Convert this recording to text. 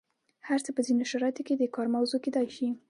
هر څه په ځینو شرایطو کې د کار موضوع کیدای شي.